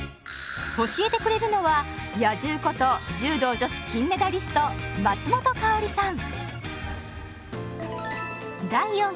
教えてくれるのは「野獣」こと柔道女子金メダリスト松本薫さん。